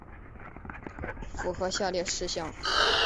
符合下列事项